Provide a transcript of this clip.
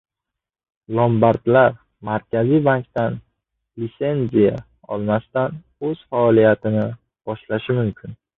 Lombardlar Markaziy bankdan lisenziya olmasdan o‘z faoliyatini boshlashi mumkin